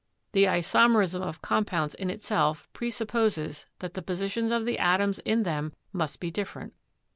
"The isomerism of compounds in itself presupposes that the positions of the atoms in them must be different."